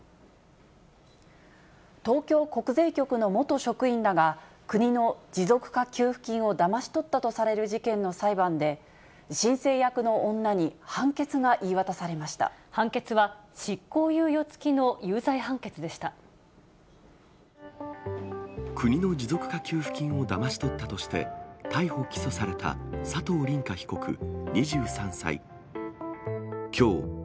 東京国税局の元職員らが、国の持続化給付金をだまし取ったとされる事件の裁判で、申請役の判決は、国の持続化給付金をだまし取ったとして、逮捕・起訴された佐藤凜果被告２３歳。